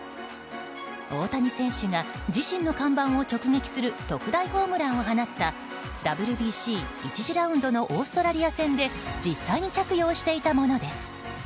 大谷選手が自身の看板を直撃する特大ホームランを放ったＷＢＣ１次ラウンドのオーストラリア戦で実際に着用していたものです。